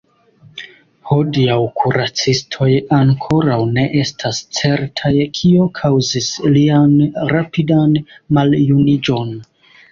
Hodiaŭ kuracistoj ankoraŭ ne estas certaj, kio kaŭzis lian rapidan maljuniĝon.